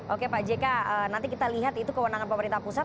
oke pak jk nanti kita lihat itu kewenangan pemerintah pusat